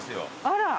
あら。